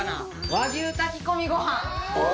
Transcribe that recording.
和牛炊き込みご飯